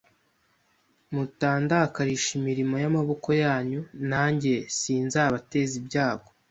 mutandakarisha imirimo y amaboko yanyu nanjye sinzabateza ibyago